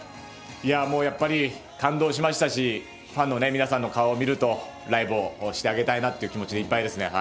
もうやっぱり感動しましたし、ファンの皆さんの顔を見ると、ライブをしてあげたいなっていう気持ちでいっぱいですね。